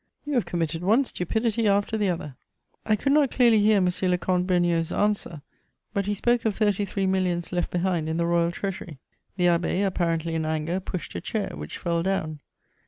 You have committed one stupidity after the other!" I could not clearly hear M. le Comte Beugnot's answer, but he spoke of thirty three millions left behind in the Royal Treasury. The abbé, apparently in anger, pushed a chair, which fell down.